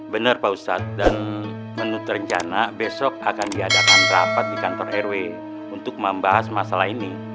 benar pak ustadz dan menurut rencana besok akan diadakan rapat di kantor rw untuk membahas masalah ini